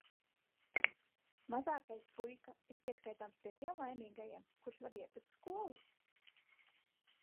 Mazākais puika ir pieskaitāms pie tiem laimīgajiem, kurš var iet uz skolu.